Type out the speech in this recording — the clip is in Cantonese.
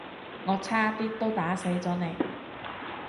我差啲都打死咗你